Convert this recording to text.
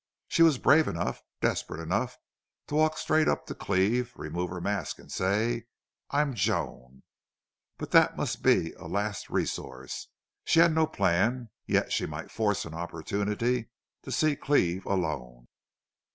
She was brave enough, desperate enough, to walk straight up to Cleve, remove her mask and say, "I am Joan!" But that must be a last resource. She had no plan, yet she might force an opportunity to see Cleve alone.